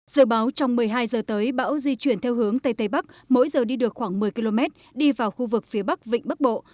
dự báo trong một mươi hai giờ tới bão di chuyển theo hướng tây tây bắc mỗi giờ đi được khoảng một mươi km đi vào khu vực phía bắc vịnh bắc bộ